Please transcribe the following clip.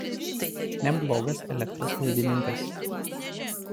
Neblogas elektros laidininkas.